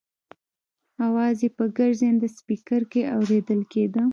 اواز یې په ګرځنده سپېکر کې اورېدل کېده.